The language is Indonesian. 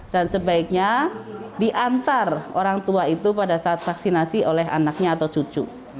dan sebaiknya diantar orang tua itu pada saat vaksinasi oleh anaknya atau cucu